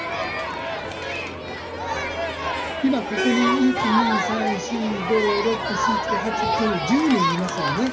今ここに１２３４５６７８９１０人いますよね。